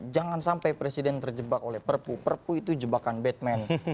jangan sampai presiden terjebak oleh perpu perpu itu jebakan batman